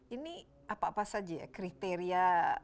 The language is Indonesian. ini apa apa saja ya kriteria